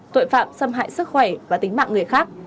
tội phạm xâm hại sức khỏe và tính mạng người khác